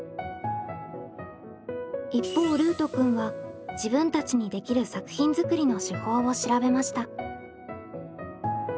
一方ルートくんは自分たちにできる作品作りの手法を調べました。